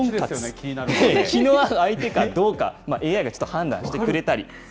気の合う相手かどうか、ＡＩが判断してくれたり。